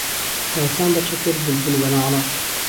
تاوسان به چهتر بولبول به ناڵه